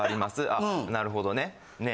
あなるほどね。